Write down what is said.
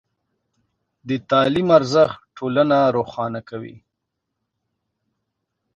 د تعلیم ارزښت ټولنه روښانه کوي.